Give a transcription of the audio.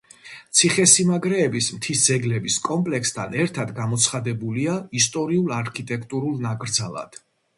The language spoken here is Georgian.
ციხესიმაგრეების მთის ძეგლების კომპლექსთან ერთად გამოცხადებულია ისტორიულ-არქიტექტურულ ნაკრძალად.